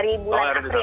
dari bulan april